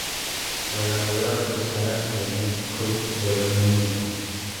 La ganadora fue Sarah-Jane Hutt de Reino Unido.